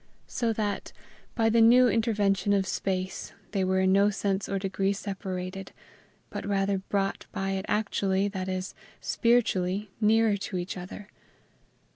So that, by the new intervention of space, they were in no sense or degree separated, but rather brought by it actually, that is, spiritually, nearer to each other.